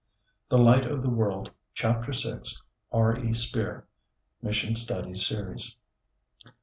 The Light of the World, Chap. 6, R. E. Speer, (Mission Study Series.)